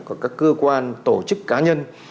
của các cơ quan tổ chức cá nhân